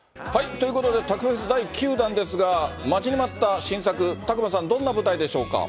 ということで、タクフェスだい９だんですが待ちに待った新作、宅間さん、どんな舞台でしょうか。